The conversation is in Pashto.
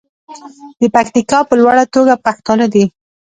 د پکتیکا په لوړه توګه پښتانه دي.